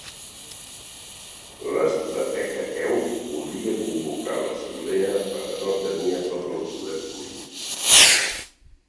L'estrateg aqueu podia convocar l'assemblea però no tenia tot el poder polític.